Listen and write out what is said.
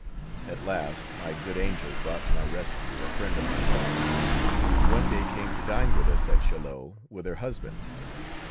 At last my good angel brought to my rescue a friend of my mother's, who one day came to dine with us at Chaillot with her husband.